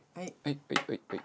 はい。